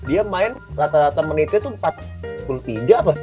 dia main rata rata menitnya tuh